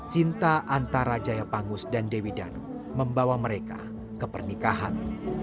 cinta antara jaya pangus dan dewi danu membawa mereka ke pernikahan